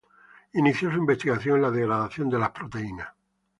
Inició su investigación en la degradación de las proteínas.